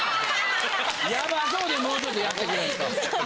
ヤバそうにもうちょっとやってくれんと。